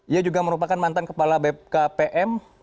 ia juga merupakan mantan kepala bkpm